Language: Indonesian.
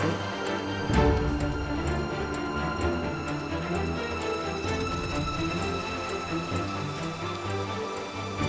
aku mau ke rumah